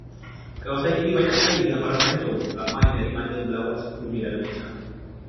Kawasan ini banyak sekali dengan para pelancong, ramai dari mana melawat sukunya dalam beca